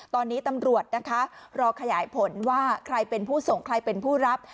ตอนนี้ตำรวจนะคะรอขยายผลว่าใครเป็นผู้ส่งใครเป็นผู้รับ